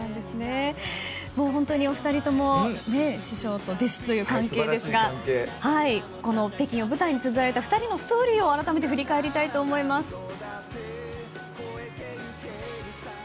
本当にお二人とも師匠と弟子という関係ですが北京を舞台につづられた２人のストーリーを改めて振り返りたいと思います。